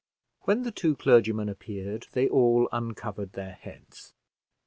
When the two clergymen appeared, they all uncovered their heads.